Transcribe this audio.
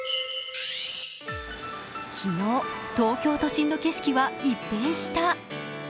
昨日、東京都心の景色は一変した。